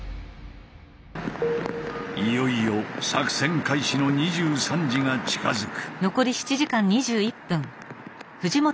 いよいよ作戦開始の２３時が近づく。